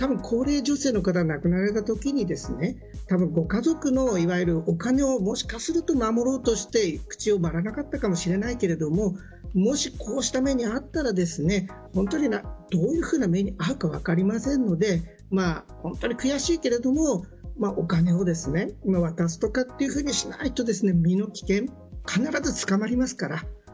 高齢女性の方が亡くなられたときにご家族のお金をもしかすると守ろうとして口を割らなかったかもしれないけれどももし、こうした目に遭ったら本当に、どういうふうな目に遭うか分かりませんので本当に悔しいけれどもお金を渡すとかいうふうにしないと身の危険必ず捕まりますから。